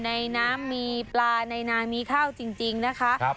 ในน้ำมีปลาในนามีข้าวจริงนะคะ